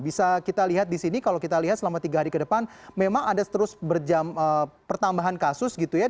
bisa kita lihat di sini kalau kita lihat selama tiga hari ke depan memang ada terus pertambahan kasus gitu ya